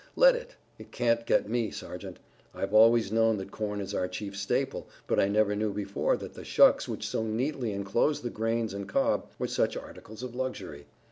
"Let it. It can't get me. Sergeant, I've always known that corn is our chief staple, but I never knew before that the shucks, which so neatly enclose the grains and cob, were such articles of luxury.